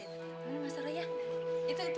ini mas raya itu itu yang di plastik tuh